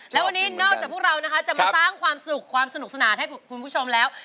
แล้ววันนี้นอกจากพวกเรานะคะจะมาสร้างความสุขความสนุกสนานให้กับคุณผู้ชมแล้ว